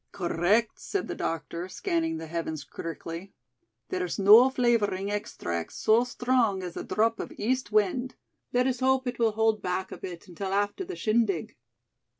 "Correct," said the doctor, scanning the heavens critically. "There's no flavoring extract so strong as a drop of East wind. Let us hope it will hold back a bit until after the shindig."